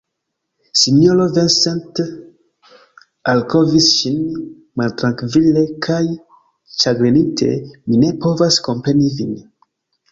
Sinjoro Vincent alvokis ŝin maltrankvile kaj ĉagrenite, mi ne povas kompreni vin.